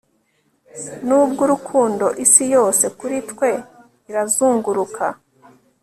nubwo urukundo isi yose kuri twe irazunguruka